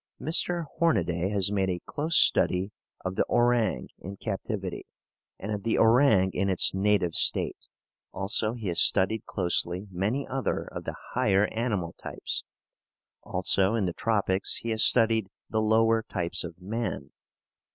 Mr. Hornaday has made a close study of the orang in captivity and of the orang in its native state. Also, he has studied closely many other of the higher animal types. Also, in the tropics, he has studied the lower types of man.